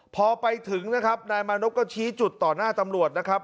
พอไปถึงนะครับนายมานพก็ชี้จุดต่อหน้าตำรวจนะครับ